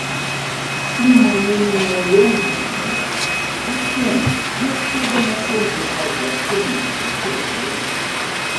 Uma menina loura pequena vestida na cor-de-rosa prende um brinquedo.